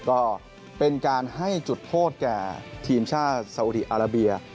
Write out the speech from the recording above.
ก็เป็นการให้จุดโทษแก่ทีมชาติซาอุดีอาราเบีย